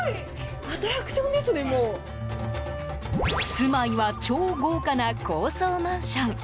住まいは超豪華な高層マンション。